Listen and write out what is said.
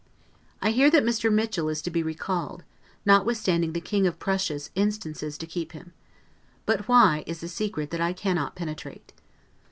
I hear that Mr. Mitchel is to be recalled, notwithstanding the King of Prussia's instances to keep him. But why, is a secret that I cannot penetrate.